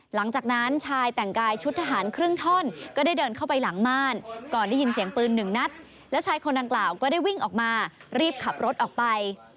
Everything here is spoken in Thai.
หลังจากนั้นชายแต่งกายชุดทหารครึ่งท่อนก็ได้เดินเข้าไปหลังม่านก่อนได้ยินเสียงปืนหนึ่งนัดแล้วชายคนดังกล่าวก็ได้วิ่งออกมารีบขับรถออกไป